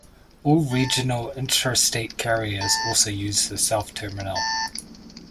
All regional intrastate carriers also use the South Terminal.